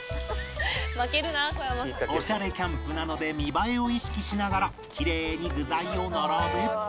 おしゃれキャンプなので見栄えを意識しながらきれいに具材を並べ